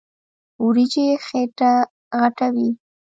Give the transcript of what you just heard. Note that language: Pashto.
وريجې خيټه غټوي.